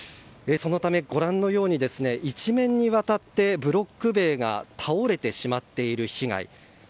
そのため、ご覧のように一面にわたってブロック塀が倒れてしまっている被害。